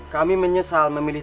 kami menyesal memilih